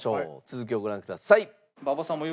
続きをご覧ください。